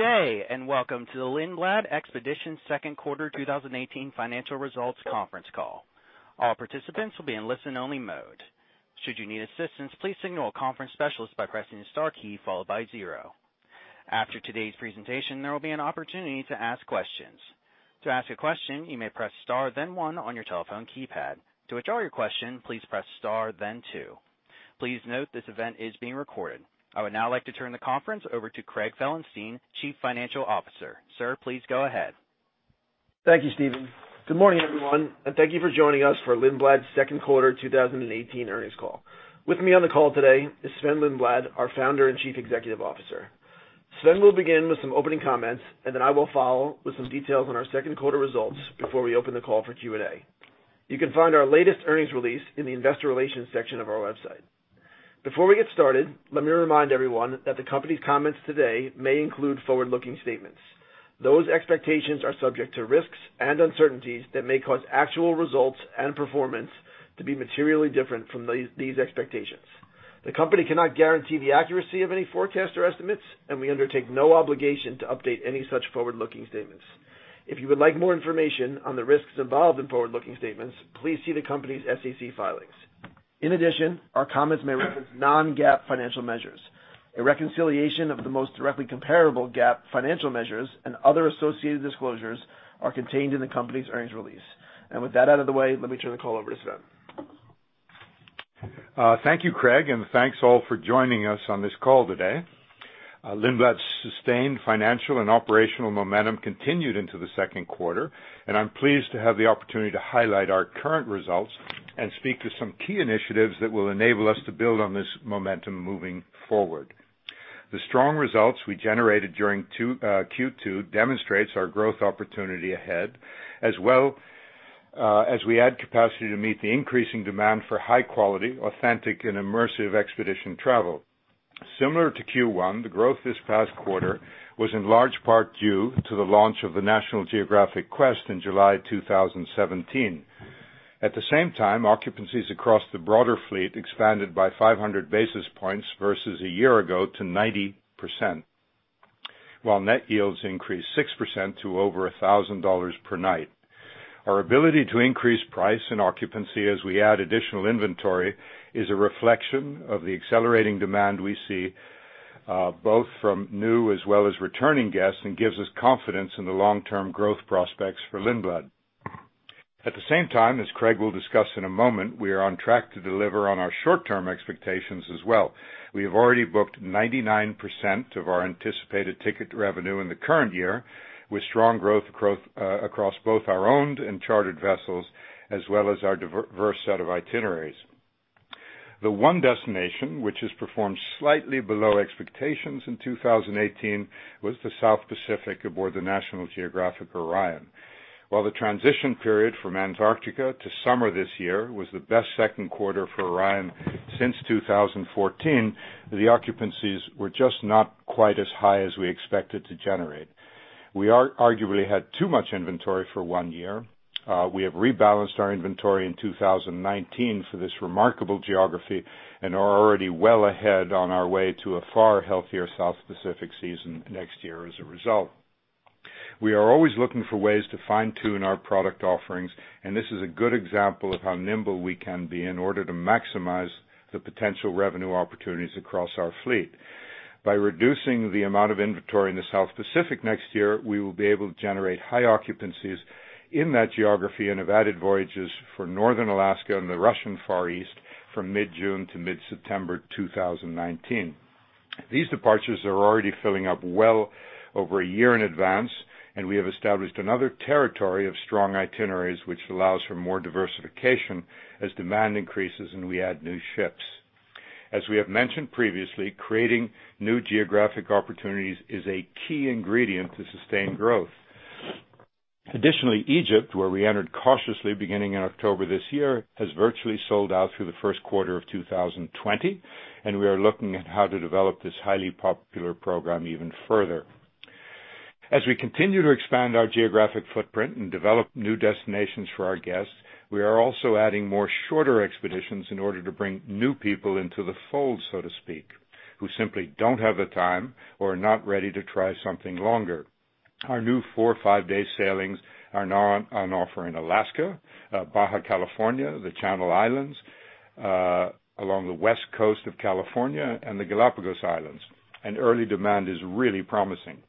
Good day, welcome to the Lindblad Expeditions second quarter 2018 financial results conference call. All participants will be in listen-only mode. Should you need assistance, please signal a conference specialist by pressing star key followed by zero. After today's presentation, there will be an opportunity to ask questions. To ask a question, you may press star then one on your telephone keypad. To withdraw your question, please press star then two. Please note this event is being recorded. I would now like to turn the conference over to Craig Felenstein, Chief Financial Officer. Sir, please go ahead. Thank you, Steven. Good morning, everyone, Thank you for joining us for Lindblad's second quarter 2018 earnings call. With me on the call today is Sven-Olof Lindblad, our Founder and Chief Executive Officer. Sven will begin with some opening comments, Then I will follow with some details on our second quarter results before we open the call for Q&A. You can find our latest earnings release in the investor relations section of our website. Before we get started, let me remind everyone that the company's comments today may include forward-looking statements. Those expectations are subject to risks and uncertainties that may cause actual results and performance to be materially different from these expectations. The company cannot guarantee the accuracy of any forecast or estimates, We undertake no obligation to update any such forward-looking statements. If you would like more information on the risks involved in forward-looking statements, please see the company's SEC filings. In addition, our comments may reference non-GAAP financial measures. A reconciliation of the most directly comparable GAAP financial measures and other associated disclosures are contained in the company's earnings release. With that out of the way, let me turn the call over to Sven. Thank you, Craig, Thanks all for joining us on this call today. Lindblad's sustained financial and operational momentum continued into the second quarter, I'm pleased to have the opportunity to highlight our current results and speak to some key initiatives that will enable us to build on this momentum moving forward. The strong results we generated during Q2 demonstrates our growth opportunity ahead, as well as we add capacity to meet the increasing demand for high quality, authentic, and immersive expedition travel. Similar to Q1, the growth this past quarter was in large part due to the launch of the National Geographic Quest in July 2017. At the same time, occupancies across the broader fleet expanded by 500 basis points versus a year ago to 90%, while net yields increased 6% to over $1,000 per night. Our ability to increase price and occupancy as we add additional inventory is a reflection of the accelerating demand we see, both from new as well as returning guests, and gives us confidence in the long-term growth prospects for Lindblad. At the same time, as Craig will discuss in a moment, we are on track to deliver on our short-term expectations as well. We have already booked 99% of our anticipated ticket revenue in the current year, with strong growth across both our owned and chartered vessels, as well as our diverse set of itineraries. The one destination which has performed slightly below expectations in 2018 was the South Pacific aboard the National Geographic Orion. While the transition period from Antarctica to summer this year was the best second quarter for Orion since 2014, the occupancies were just not quite as high as we expected to generate. We arguably had too much inventory for one year. We have rebalanced our inventory in 2019 for this remarkable geography and are already well ahead on our way to a far healthier South Pacific season next year as a result. We are always looking for ways to fine-tune our product offerings. This is a good example of how nimble we can be in order to maximize the potential revenue opportunities across our fleet. By reducing the amount of inventory in the South Pacific next year, we will be able to generate high occupancies in that geography and have added voyages for Northern Alaska and the Russian Far East from mid-June to mid-September 2019. These departures are already filling up well over a year in advance. We have established another territory of strong itineraries, which allows for more diversification as demand increases and we add new ships. As we have mentioned previously, creating new geographic opportunities is a key ingredient to sustained growth. Additionally, Egypt, where we entered cautiously beginning in October this year, has virtually sold out through the first quarter of 2020. We are looking at how to develop this highly popular program even further. As we continue to expand our geographic footprint and develop new destinations for our guests, we are also adding more shorter expeditions in order to bring new people into the fold, so to speak, who simply don't have the time or are not ready to try something longer. Our new four, five-day sailings are now on offer in Alaska, Baja California, the Channel Islands, along the West Coast of California, and the Galapagos Islands. Early demand is really promising.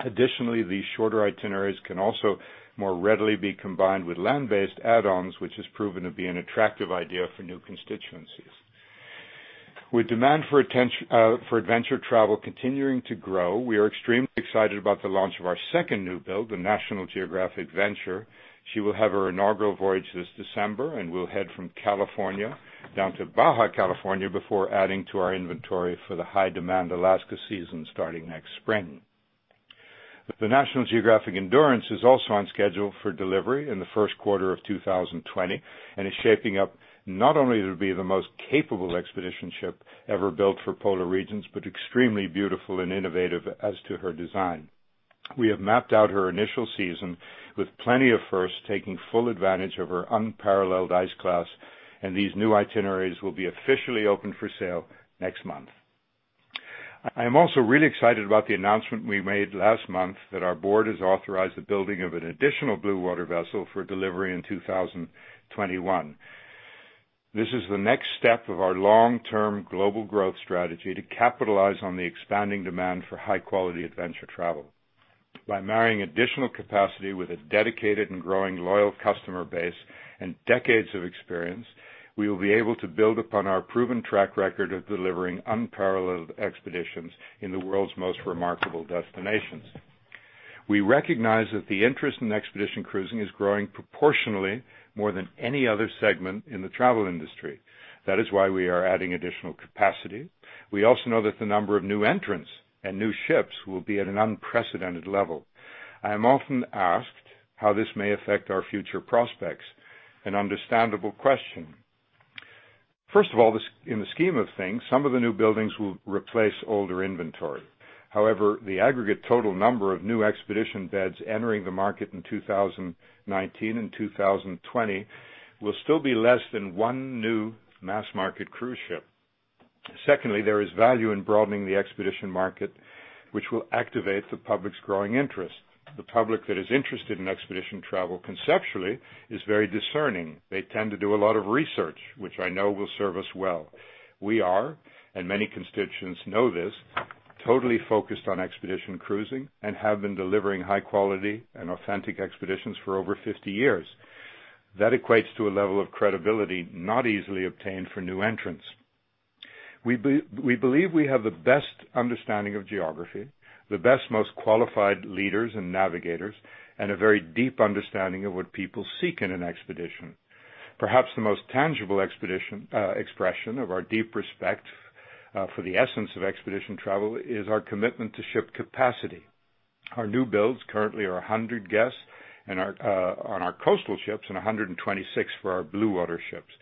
Additionally, these shorter itineraries can also more readily be combined with land-based add-ons, which has proven to be an attractive idea for new constituencies. With demand for adventure travel continuing to grow, we are extremely excited about the launch of our second new build, the National Geographic Venture. She will have her inaugural voyage this December and will head from California down to Baja California before adding to our inventory for the high-demand Alaska season starting next spring. The National Geographic Endurance is also on schedule for delivery in the first quarter of 2020 and is shaping up not only to be the most capable expedition ship ever built for polar regions, but extremely beautiful and innovative as to her design. We have mapped out her initial season with plenty of firsts, taking full advantage of her unparalleled ice class. These new itineraries will be officially open for sale next month. I am also really excited about the announcement we made last month that our board has authorized the building of an additional blue water vessel for delivery in 2021. This is the next step of our long-term global growth strategy to capitalize on the expanding demand for high-quality adventure travel. By marrying additional capacity with a dedicated and growing loyal customer base and decades of experience, we will be able to build upon our proven track record of delivering unparalleled expeditions in the world's most remarkable destinations. We recognize that the interest in expedition cruising is growing proportionally more than any other segment in the travel industry. That is why we are adding additional capacity. We also know that the number of new entrants and new ships will be at an unprecedented level. I am often asked how this may affect our future prospects, an understandable question. First of all, in the scheme of things, some of the new buildings will replace older inventory. However, the aggregate total number of new expedition beds entering the market in 2019 and 2020 will still be less than one new mass-market cruise ship. Secondly, there is value in broadening the expedition market, which will activate the public's growing interest. The public that is interested in expedition travel conceptually is very discerning. They tend to do a lot of research, which I know will serve us well. We are, and many constituents know this, totally focused on expedition cruising and have been delivering high-quality and authentic expeditions for over 50 years. That equates to a level of credibility not easily obtained for new entrants. We believe we have the best understanding of geography, the best, most qualified leaders and navigators, and a very deep understanding of what people seek in an expedition. Perhaps the most tangible expression of our deep respect for the essence of expedition travel is our commitment to ship capacity. Our new builds currently are 100 guests on our coastal ships and 126 for our blue water ships.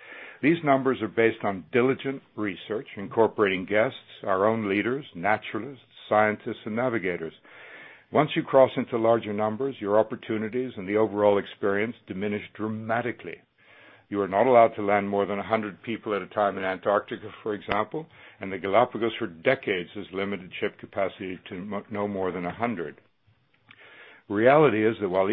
These numbers are based on diligent research incorporating guests, our own leaders, naturalists, scientists, and navigators. Once you cross into larger numbers, your opportunities and the overall experience diminish dramatically. You are not allowed to land more than 100 people at a time in Antarctica, for example, and the Galapagos for decades has limited ship capacity to no more than 100. Reality is that while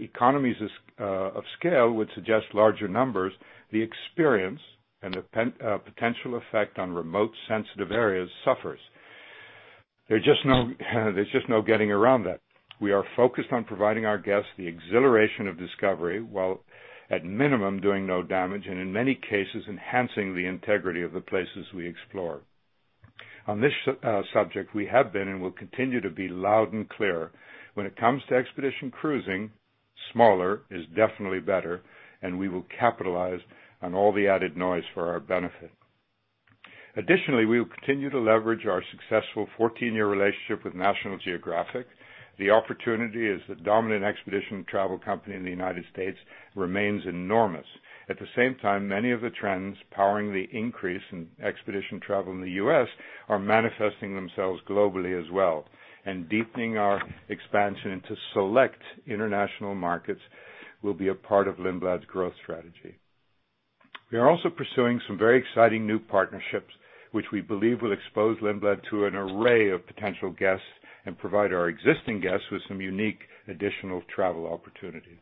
economies of scale would suggest larger numbers, the experience and the potential effect on remote sensitive areas suffers. There's just no getting around that. We are focused on providing our guests the exhilaration of discovery while at minimum, doing no damage, and in many cases, enhancing the integrity of the places we explore. On this subject, we have been and will continue to be loud and clear. When it comes to expedition cruising, smaller is definitely better, and we will capitalize on all the added noise for our benefit. Additionally, we will continue to leverage our successful 14-year relationship with National Geographic. The opportunity as the dominant expedition travel company in the U.S. remains enormous. At the same time, many of the trends powering the increase in expedition travel in the U.S. are manifesting themselves globally as well. Deepening our expansion into select international markets will be a part of Lindblad's growth strategy. We are also pursuing some very exciting new partnerships, which we believe will expose Lindblad to an array of potential guests and provide our existing guests with some unique additional travel opportunities.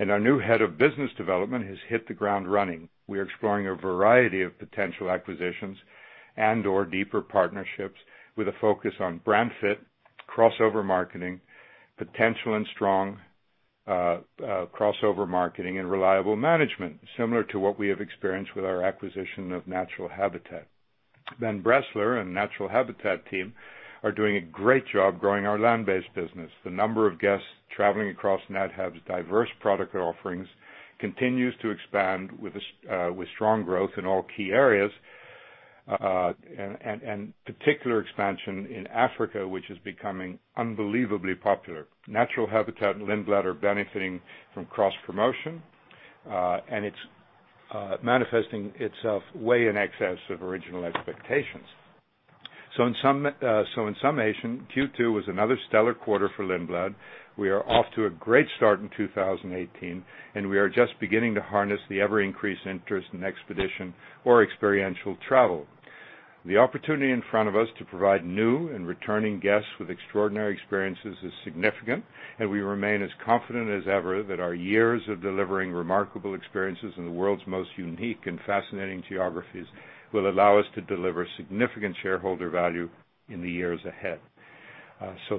Our new head of business development has hit the ground running. We are exploring a variety of potential acquisitions and/or deeper partnerships with a focus on brand fit, crossover marketing, potential and strong crossover marketing, and reliable management, similar to what we have experienced with our acquisition of Natural Habitat. Ben Bressler and Natural Habitat team are doing a great job growing our land-based business. The number of guests traveling across Nat Hab's diverse product offerings continues to expand with strong growth in all key areas, and particular expansion in Africa, which is becoming unbelievably popular. Natural Habitat and Lindblad are benefiting from cross-promotion, and it's manifesting itself way in excess of original expectations. In summation, Q2 was another stellar quarter for Lindblad. We are off to a great start in 2018. We are just beginning to harness the ever-increasing interest in expedition or experiential travel. The opportunity in front of us to provide new and returning guests with extraordinary experiences is significant. We remain as confident as ever that our years of delivering remarkable experiences in the world's most unique and fascinating geographies will allow us to deliver significant shareholder value in the years ahead.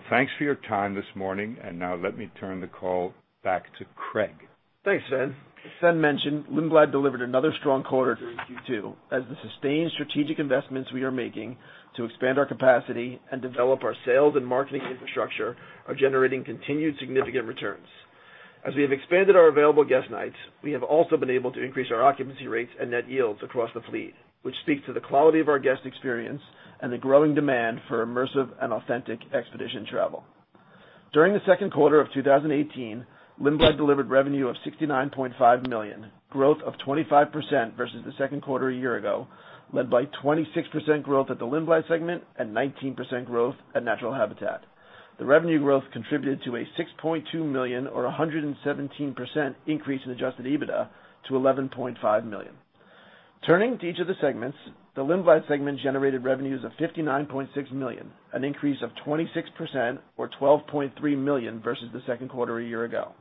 Thanks for your time this morning. Now let me turn the call back to Craig. Thanks, Sven. As Sven mentioned, Lindblad delivered another strong quarter during Q2 as the sustained strategic investments we are making to expand our capacity and develop our sales and marketing infrastructure are generating continued significant returns. As we have expanded our available guest nights, we have also been able to increase our occupancy rates and net yields across the fleet, which speaks to the quality of our guest experience and the growing demand for immersive and authentic expedition travel. During the second quarter of 2018, Lindblad delivered revenue of $69.5 million, growth of 25% versus the second quarter a year ago, led by 26% growth at the Lindblad segment and 19% growth at Natural Habitat. The revenue growth contributed to a $6.2 million, or 117% increase in adjusted EBITDA to $11.5 million. Turning to each of the segments, the Lindblad segment generated revenues of $59.6 million, an increase of 26%, or $12.3 million versus the second quarter a year ago.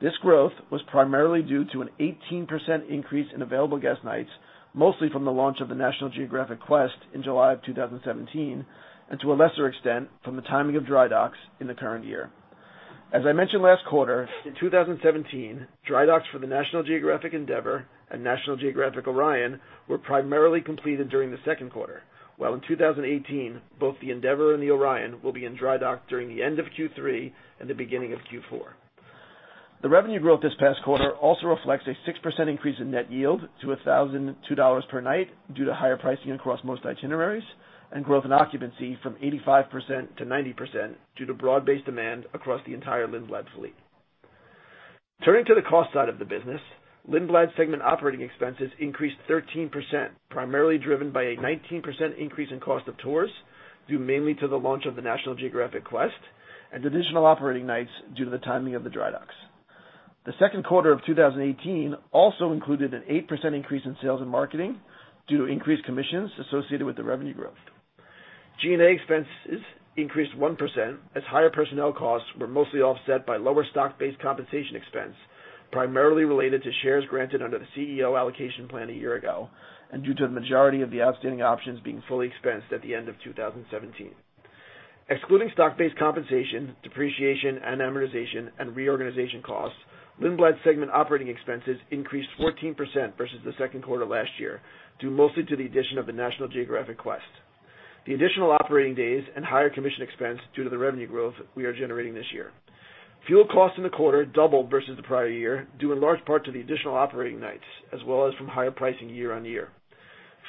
This growth was primarily due to an 18% increase in available guest nights, mostly from the launch of the National Geographic Quest in July of 2017, and to a lesser extent, from the timing of dry docks in the current year. As I mentioned last quarter, in 2017, dry docks for the National Geographic Endeavour and National Geographic Orion were primarily completed during the second quarter. While in 2018, both the Endeavour and the Orion will be in dry dock during the end of Q3 and the beginning of Q4. The revenue growth this past quarter also reflects a 6% increase in net yield to $1,002 per night due to higher pricing across most itineraries, and growth in occupancy from 85%-90% due to broad-based demand across the entire Lindblad fleet. Turning to the cost side of the business, Lindblad segment operating expenses increased 13%, primarily driven by a 19% increase in cost of tours, due mainly to the launch of the National Geographic Quest, and additional operating nights due to the timing of the dry docks. The second quarter of 2018 also included an 8% increase in sales and marketing due to increased commissions associated with the revenue growth. G&A expenses increased 1% as higher personnel costs were mostly offset by lower stock-based compensation expense, primarily related to shares granted under the CEO allocation plan a year ago, and due to the majority of the outstanding options being fully expensed at the end of 2017. Excluding stock-based compensation, depreciation, and amortization and reorganization costs, Lindblad segment operating expenses increased 14% versus the second quarter last year, due mostly to the addition of the National Geographic Quest, the additional operating days and higher commission expense due to the revenue growth we are generating this year. Fuel costs in the quarter doubled versus the prior year, due in large part to the additional operating nights as well as from higher pricing year-on-year.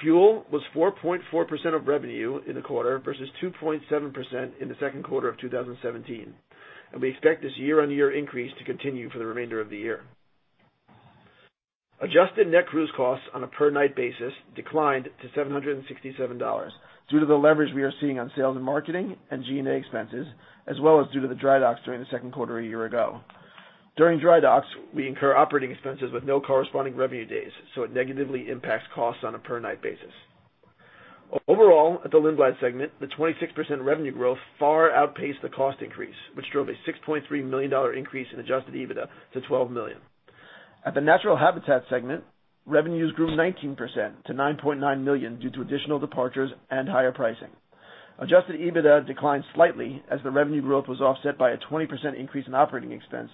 Fuel was 4.4% of revenue in the quarter versus 2.7% in the second quarter of 2017. We expect this year-on-year increase to continue for the remainder of the year. Adjusted net cruise costs on a per night basis declined to $767 due to the leverage we are seeing on sales and marketing and G&A expenses, as well as due to the dry docks during the second quarter a year ago. During dry docks, we incur operating expenses with no corresponding revenue days, so it negatively impacts costs on a per night basis. Overall, at the Lindblad segment, the 26% revenue growth far outpaced the cost increase, which drove a $6.3 million increase in adjusted EBITDA to $12 million. At the Natural Habitat segment, revenues grew 19% to $9.9 million due to additional departures and higher pricing. Adjusted EBITDA declined slightly as the revenue growth was offset by a 20% increase in operating expense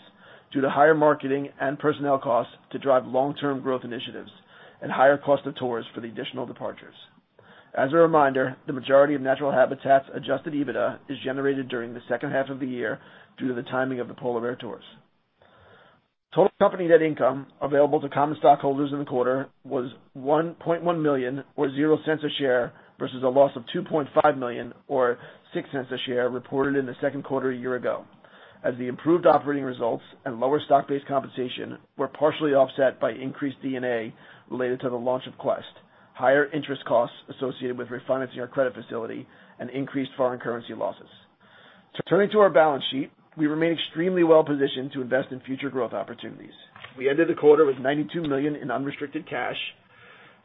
due to higher marketing and personnel costs to drive long-term growth initiatives and higher cost of tours for the additional departures. As a reminder, the majority of Natural Habitat's adjusted EBITDA is generated during the second half of the year due to the timing of the polar bear tours. Total company net income available to common stockholders in the quarter was $1.1 million, or $0.00 a share, versus a loss of $2.5 million, or $0.06 a share, reported in the second quarter a year ago. The improved operating results and lower stock-based compensation were partially offset by increased D&A related to the launch of Quest, higher interest costs associated with refinancing our credit facility, and increased foreign currency losses. Turning to our balance sheet, we remain extremely well-positioned to invest in future growth opportunities. We ended the quarter with $92 million in unrestricted cash.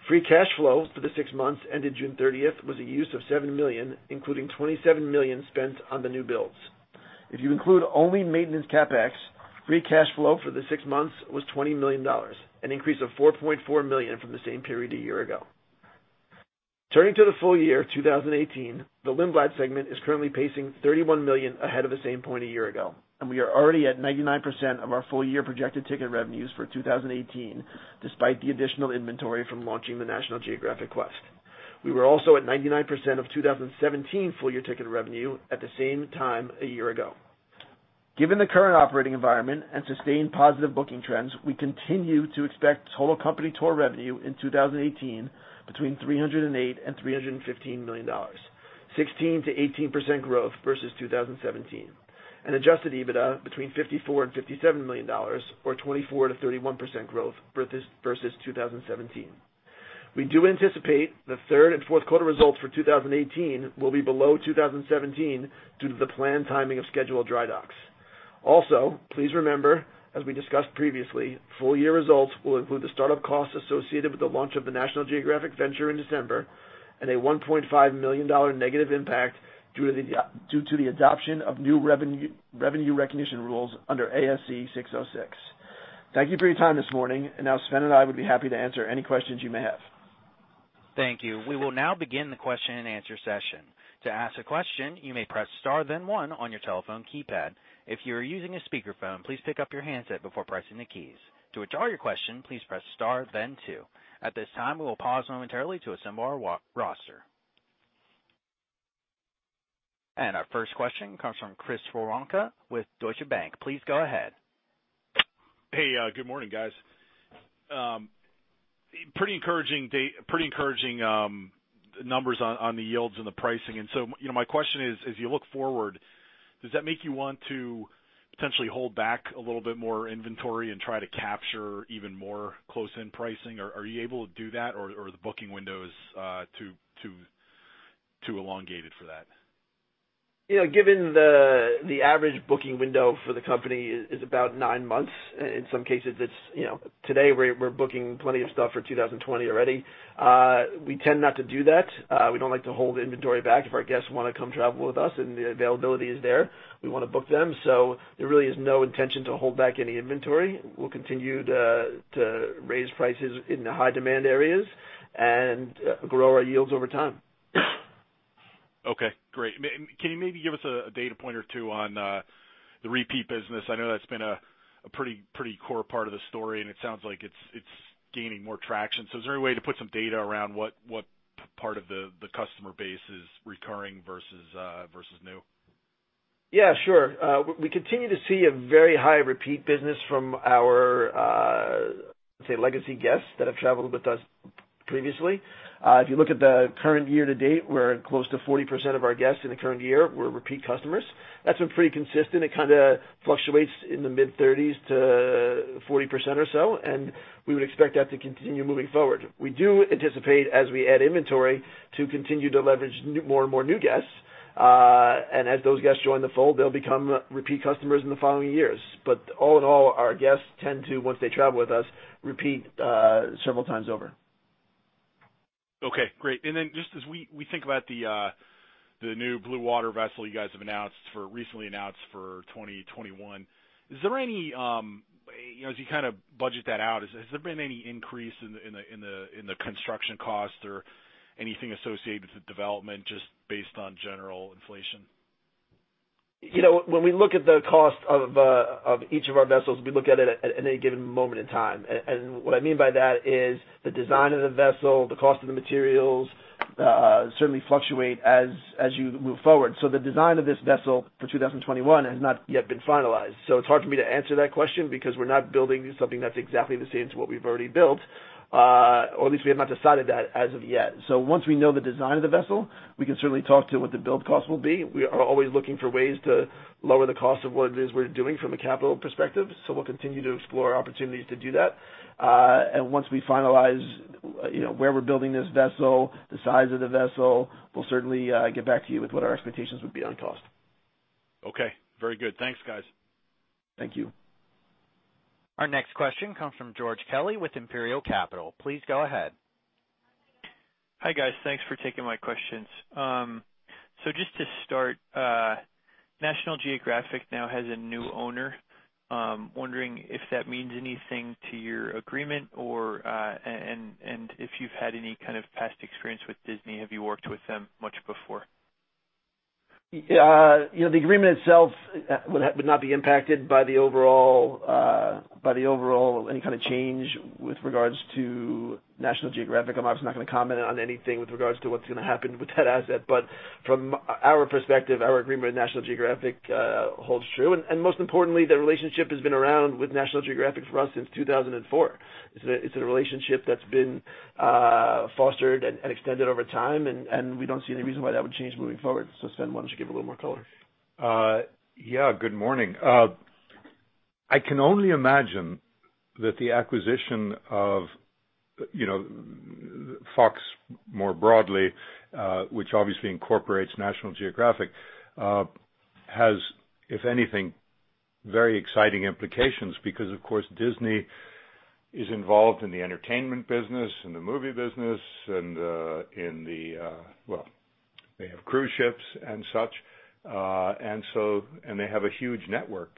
Free cash flow for the six months ended June 30th was a use of $7 million, including $27 million spent on the new builds. If you include only maintenance CapEx, free cash flow for the six months was $20 million, an increase of $4.4 million from the same period a year ago. Turning to the full year 2018, the Lindblad segment is currently pacing $31 million ahead of the same point a year ago, and we are already at 99% of our full-year projected ticket revenues for 2018, despite the additional inventory from launching the National Geographic Quest. We were also at 99% of 2017 full-year ticket revenue at the same time a year ago. Given the current operating environment and sustained positive booking trends, we continue to expect total company tour revenue in 2018 between $308 and $315 million, 16%-18% growth versus 2017, and adjusted EBITDA between $54 and $57 million, or 24%-31% growth versus 2017. We do anticipate the third and fourth quarter results for 2018 will be below 2017 due to the planned timing of scheduled dry docks. Please remember, as we discussed previously, full-year results will include the start-up costs associated with the launch of the National Geographic Venture in December and a $1.5 million negative impact due to the adoption of new revenue recognition rules under ASC 606. Thank you for your time this morning, and Sven and I would be happy to answer any questions you may have. Thank you. We will now begin the question-and-answer session. To ask a question, you may press star then one on your telephone keypad. If you are using a speakerphone, please pick up your handset before pressing the keys. To withdraw your question, please press star then two. At this time, we will pause momentarily to assemble our roster. Our first question comes from Chris Woronka with Deutsche Bank. Please go ahead. Hey, good morning, guys. Pretty encouraging numbers on the yields and the pricing. My question is, as you look forward, does that make you want to potentially hold back a little bit more inventory and try to capture even more close-in pricing? Are you able to do that, or are the booking windows too elongated for that? Given the average booking window for the company is about nine months. In some cases, today we're booking plenty of stuff for 2020 already. We tend not to do that. We don't like to hold inventory back if our guests want to come travel with us and the availability is there, we want to book them. There really is no intention to hold back any inventory. We'll continue to raise prices in the high-demand areas and grow our yields over time. Okay, great. Can you maybe give us a data point or two on the repeat business? I know that's been a pretty core part of the story, and it sounds like it's gaining more traction. Is there any way to put some data around what part of the customer base is recurring versus new? Yeah, sure. We continue to see a very high repeat business from our, say, legacy guests that have traveled with us previously. If you look at the current year to date, we're close to 40% of our guests in the current year were repeat customers. That's been pretty consistent. It fluctuates in the mid-30s to 40% or so, and we would expect that to continue moving forward. We do anticipate, as we add inventory, to continue to leverage more and more new guests. As those guests join the fold, they'll become repeat customers in the following years. All in all, our guests tend to, once they travel with us, repeat several times over. Okay, great. Then just as we think about the new blue water vessel you guys have recently announced for 2021, as you budget that out, has there been any increase in the construction cost or anything associated with the development just based on general inflation? When we look at the cost of each of our vessels, we look at it at any given moment in time. What I mean by that is the design of the vessel, the cost of the materials, certainly fluctuate as you move forward. The design of this vessel for 2021 has not yet been finalized. It's hard for me to answer that question because we're not building something that's exactly the same to what we've already built, or at least we have not decided that as of yet. Once we know the design of the vessel, we can certainly talk to what the build cost will be. We are always looking for ways to lower the cost of what it is we're doing from a capital perspective. We'll continue to explore opportunities to do that. Once we finalize where we're building this vessel, the size of the vessel, we'll certainly get back to you with what our expectations would be on cost. Okay. Very good. Thanks, guys. Thank you. Our next question comes from George Kelly with Imperial Capital. Please go ahead. Hi, guys. Thanks for taking my questions. Just to start, National Geographic now has a new owner. I'm wondering if that means anything to your agreement and if you've had any kind of past experience with Disney. Have you worked with them much before? The agreement itself would not be impacted by any kind of change with regards to National Geographic. I'm obviously not going to comment on anything with regards to what's going to happen with that asset, but from our perspective, our agreement with National Geographic holds true, and most importantly, the relationship has been around with National Geographic for us since 2004. It's a relationship that's been fostered and extended over time, and we don't see any reason why that would change moving forward. Sven, why don't you give a little more color? Yeah. Good morning. I can only imagine that the acquisition of Fox more broadly, which obviously incorporates National Geographic, has, if anything, very exciting implications because, of course, Disney is involved in the entertainment business and the movie business, and they have cruise ships and such, and they have a huge network.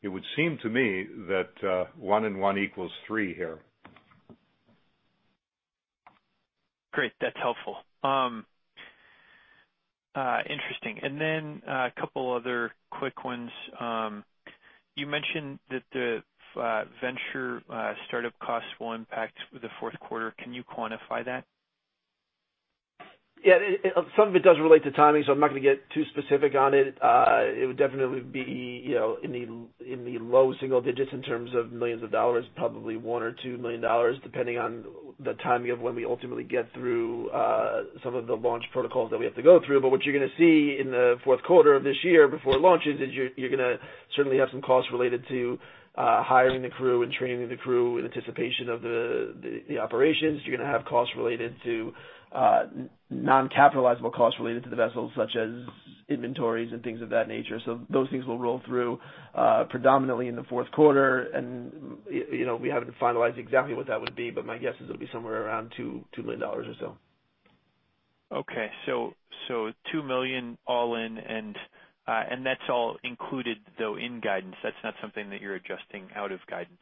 It would seem to me that one and one equals three here. Great. That's helpful. Interesting. A couple other quick ones. You mentioned that the Venture startup costs will impact the fourth quarter. Can you quantify that? Yeah. Some of it does relate to timing, I'm not going to get too specific on it. It would definitely be in the low single digits in terms of millions of dollars, probably $1 million or $2 million, depending on the timing of when we ultimately get through some of the launch protocols that we have to go through. What you're going to see in the fourth quarter of this year before it launches is you're going to certainly have some costs related to hiring the crew and training the crew in anticipation of the operations. You're going to have non-capitalizable costs related to the vessels, such as inventories and things of that nature. Those things will roll through predominantly in the fourth quarter, and we haven't finalized exactly what that would be, but my guess is it'll be somewhere around $2 million or so. Okay. $2 million all in, and that's all included, though, in guidance. That's not something that you're adjusting out of guidance.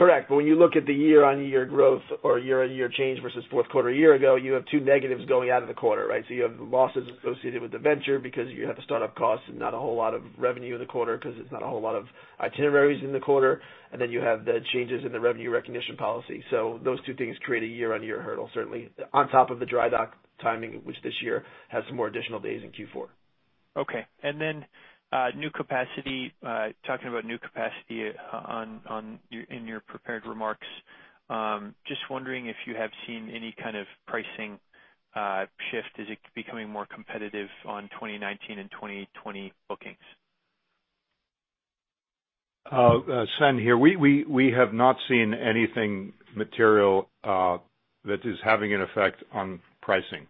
Correct. When you look at the year-on-year growth or year-on-year change versus fourth quarter a year ago, you have two negatives going out of the quarter, right? You have losses associated with the Venture because you have the start-up costs and not a whole lot of revenue in the quarter because it's not a whole lot of itineraries in the quarter. Then you have the changes in the revenue recognition policy. Those two things create a year-on-year hurdle, certainly on top of the dry dock timing, which this year has some more additional days in Q4. Okay. Talking about new capacity in your prepared remarks, just wondering if you have seen any kind of pricing shift, is it becoming more competitive on 2019 and 2020 bookings? Sven here. We have not seen anything material that is having an effect on pricing.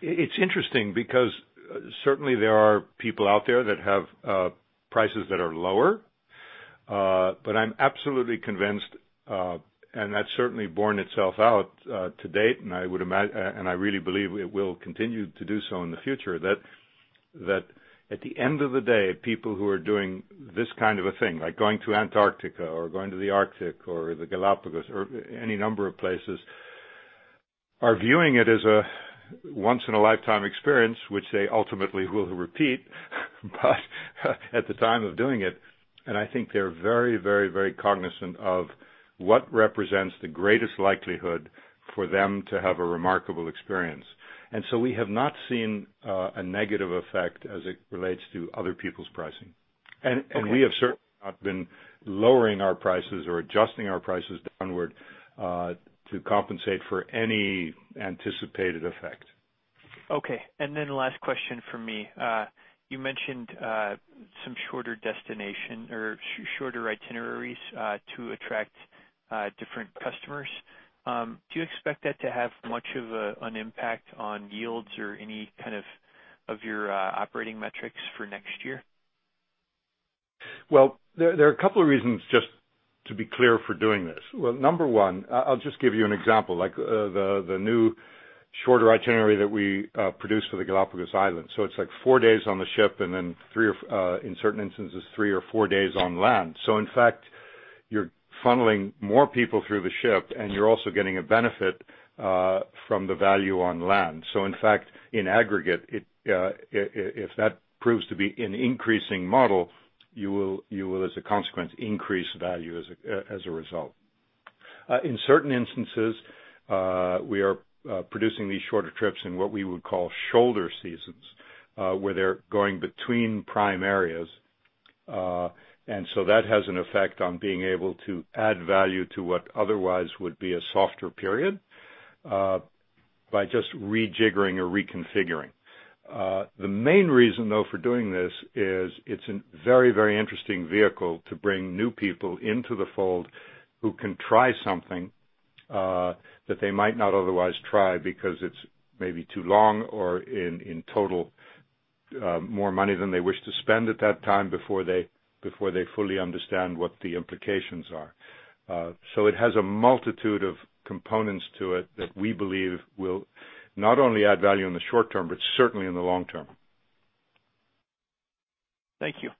It's interesting because certainly there are people out there that have prices that are lower. I'm absolutely convinced, and that's certainly borne itself out to date, and I really believe it will continue to do so in the future, that at the end of the day, people who are doing this kind of a thing, like going to Antarctica or going to the Arctic or the Galapagos or any number of places, are viewing it as a once-in-a-lifetime experience, which they ultimately will repeat, but at the time of doing it, and I think they're very cognizant of what represents the greatest likelihood for them to have a remarkable experience. We have not seen a negative effect as it relates to other people's pricing. Okay. We have certainly not been lowering our prices or adjusting our prices downward to compensate for any anticipated effect. Okay. Last question from me. You mentioned some shorter itineraries to attract different customers. Do you expect that to have much of an impact on yields or any kind of your operating metrics for next year? Well, there are a couple of reasons, just to be clear, for doing this. Well, number one, I'll just give you an example. The new shorter itinerary that we produced for the Galapagos Islands. It's four days on the ship and then, in certain instances, three or four days on land. In fact, you're funneling more people through the ship, and you're also getting a benefit from the value on land. In fact, in aggregate, if that proves to be an increasing model, you will, as a consequence, increase value as a result. In certain instances, we are producing these shorter trips in what we would call shoulder seasons, where they're going between prime areas. That has an effect on being able to add value to what otherwise would be a softer period, by just rejiggering or reconfiguring. The main reason, though, for doing this is it's a very interesting vehicle to bring new people into the fold who can try something that they might not otherwise try because it's maybe too long or in total more money than they wish to spend at that time before they fully understand what the implications are. It has a multitude of components to it that we believe will not only add value in the short term, but certainly in the long term. Thank you.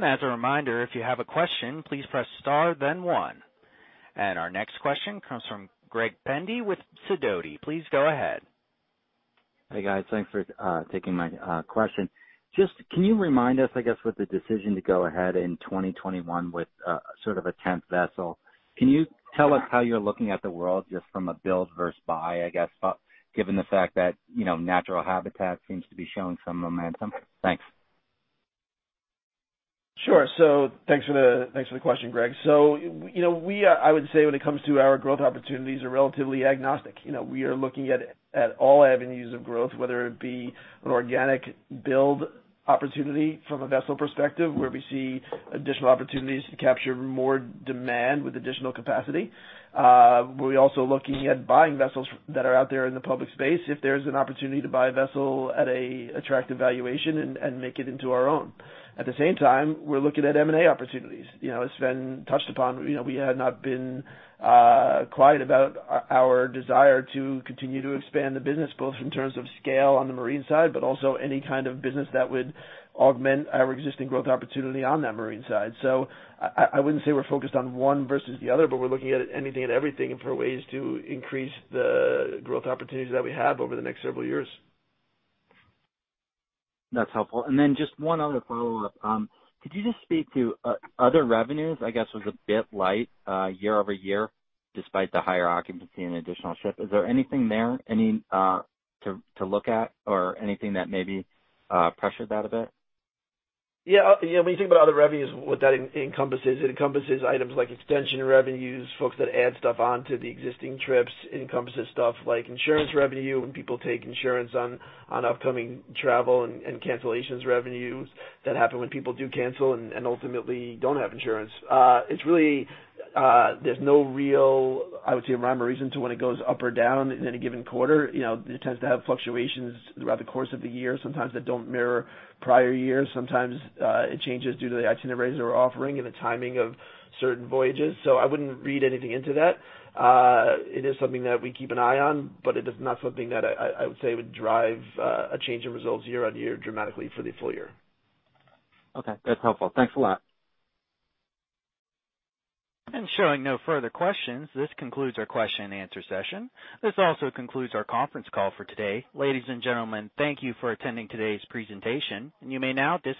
As a reminder, if you have a question, please press star then one. Our next question comes from Greg Pendy with Sidoti. Please go ahead. Hey, guys. Thanks for taking my question. Just can you remind us, I guess, with the decision to go ahead in 2021 with sort of a 10th vessel, can you tell us how you're looking at the world just from a build versus buy, I guess, given the fact that Natural Habitat seems to be showing some momentum? Thanks. Sure. Thanks for the question, Greg. We, I would say when it comes to our growth opportunities, are relatively agnostic. We are looking at all avenues of growth, whether it be an organic build opportunity from a vessel perspective where we see additional opportunities to capture more demand with additional capacity. We're also looking at buying vessels that are out there in the public space if there's an opportunity to buy a vessel at an attractive valuation and make it into our own. At the same time, we're looking at M&A opportunities. As Sven touched upon, we have not been quiet about our desire to continue to expand the business, both in terms of scale on the marine side, but also any kind of business that would augment our existing growth opportunity on that marine side. I wouldn't say we're focused on one versus the other, but we're looking at anything and everything and for ways to increase the growth opportunities that we have over the next several years. That's helpful. Just one other follow-up. Could you just speak to other revenues, I guess, was a bit light year-over-year despite the higher occupancy and additional ship. Is there anything there to look at or anything that maybe pressured that a bit? When you think about other revenues, what that encompasses, it encompasses items like extension revenues, folks that add stuff onto the existing trips. It encompasses stuff like insurance revenue, when people take insurance on upcoming travel and cancellations revenues that happen when people do cancel and ultimately don't have insurance. There's no real, I would say, rhyme or reason to when it goes up or down in any given quarter. It tends to have fluctuations throughout the course of the year. Sometimes they don't mirror prior years. Sometimes it changes due to the itineraries that we're offering and the timing of certain voyages. I wouldn't read anything into that. It is something that we keep an eye on, but it is not something that I would say would drive a change in results year-on-year dramatically for the full year. Okay, that's helpful. Thanks a lot. Showing no further questions, this concludes our question and answer session. This also concludes our conference call for today. Ladies and gentlemen, thank you for attending today's presentation, and you may now disconnect.